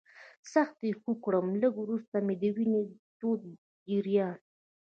سخت یې خوږ کړم، لږ وروسته مې د وینې تود جریان.